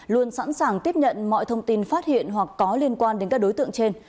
luôn sẵn sàng tiếp nhận mọi thông tin phát hiện hoặc có liên quan đến các đối tượng trên